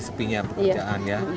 sepinya pekerjaan ya